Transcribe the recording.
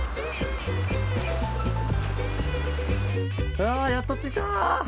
あやっと着いた。